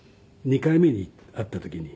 ２回目に会った時に。